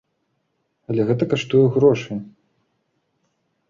Але гэта каштуе грошай.